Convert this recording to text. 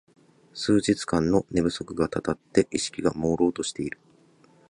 数日間の寝不足がたたって意識がもうろうとしている